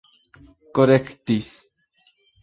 korektis